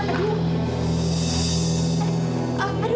kamu jangan pakai mata dong